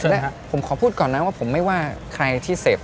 และผมขอพูดก่อนนะว่าผมไม่ว่าใครที่เสพ